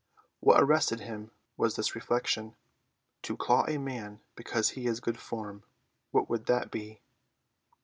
What arrested him was this reflection: "To claw a man because he is good form, what would that be?"